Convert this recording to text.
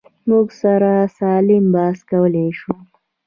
موږ سره سالم بحث کولی شو.